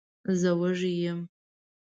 زه وږی یم.